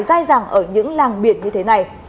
dài dàng ở những làng biển như thế này